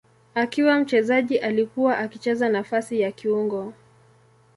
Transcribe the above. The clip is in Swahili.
Akiwa mchezaji alikuwa akicheza nafasi ya kiungo.